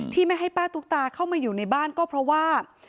ไม่ให้ป้าตุ๊กตาเข้ามาอยู่ในบ้านก็เพราะว่า